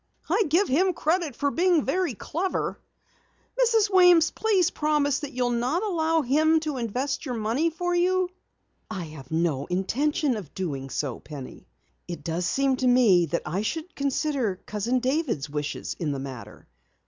"I give him credit for being very clever. Mrs. Weems, please promise that you'll not allow him to invest your money for you." "I have no intention of doing so, Penny. It does seem to me that I should consider Cousin David's wishes in the matter.